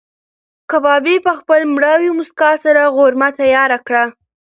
کبابي په خپله مړاوې موسکا سره غرمه تېره کړه.